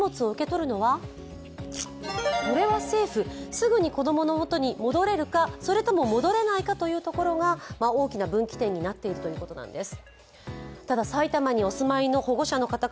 すぐに子供のもとに戻れるか、それとも戻れないかというのが大きな分岐点になっているということなんです